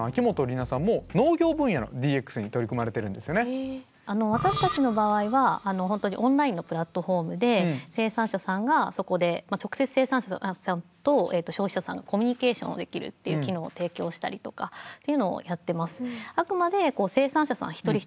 今回お越し頂いてる私たちの場合は本当にオンラインのプラットホームで生産者さんがそこで直接生産者さんと消費者さんがコミュニケーションできるっていう機能を提供したりとかっていうのをやってます。